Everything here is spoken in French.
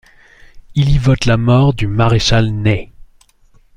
Il y vote la mort du maréchal Ney.